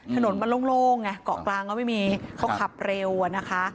ถนนมันโล่งไงเกาะกลางก็ไม่มีเขาขับเร็วอะนะคะ